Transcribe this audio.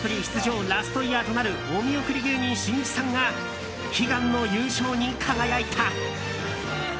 出場ラストイヤーとなるお見送り芸人しんいちさんが悲願の優勝に輝いた。